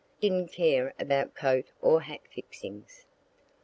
Didn't care about coat or hat fixings.